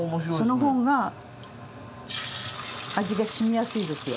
その方が味がしみやすいですよ。